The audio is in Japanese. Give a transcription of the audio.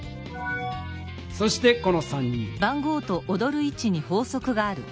そしてこの３人。